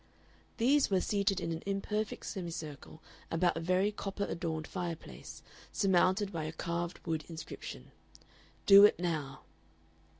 These were seated in an imperfect semicircle about a very copper adorned fireplace, surmounted by a carved wood inscription: "DO IT NOW."